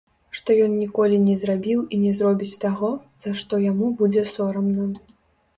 Што ён ніколі не зрабіў і не зробіць таго, за што яму будзе сорамна.